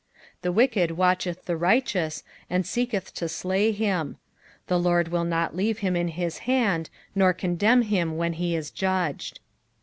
32 The wicked watcheth the righteous, and seeketh to slay him. 'pi33 The Lord will not leave him in his hand, nor condemn him when he is judged.